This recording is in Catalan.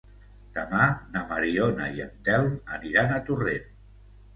Demà na Mariona i en Telm aniran a Torrent.